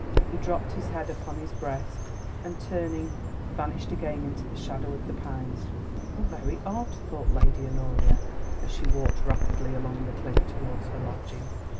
He dropped his head upon his breast and, turning, vanished again into the shadow of the pines. "How very odd," thought Lady Honoria as she walked rapidly along the cliff towards her lodging.